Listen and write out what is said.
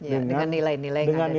ya dengan nilai nilai yang ada di dunia